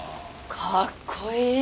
かっこいい！